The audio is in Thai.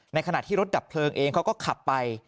ขณะที่รถดับเพลิงเองเขาก็ขับไป